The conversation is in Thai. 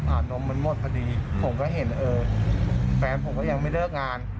นมมันหมดพอดีผมก็เห็นเออแฟนผมก็ยังไม่เลิกงาน